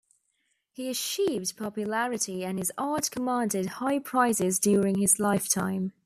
He achieved popularity and his art commanded high prices during his lifetime.